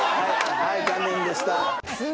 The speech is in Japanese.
はい残念でした。